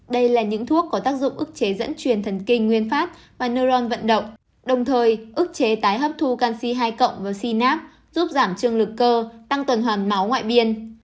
đây là những thuốc có tác dụng ức chế dẫn truyền thần kinh nguyên phát và noron vận động đồng thời ức chế tái hấp thu canxi hai cộng và cnap giúp giảm trường lực cơ tăng tuần hoàn máu ngoại biên